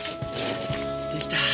できた。